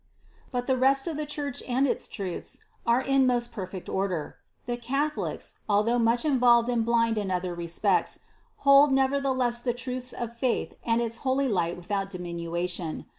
But the rest of the Church and its truths are in most perfect order ; the Catholics, although much involved and blind in other respects, hold nevertheless the truths of faith and its holy light without diminution.